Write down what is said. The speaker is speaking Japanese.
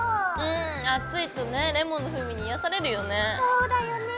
うん暑いとねレモンの風味に癒やされるよね。